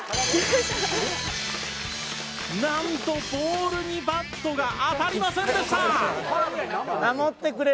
なんとボールにバットが当たりませんでした！